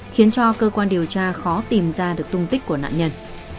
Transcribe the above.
khiến cho cơ quan điều tra khó tìm ra được tung tích của nạn nhân